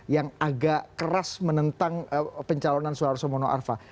yang agak keras menentang pencalonan suharto mono arfa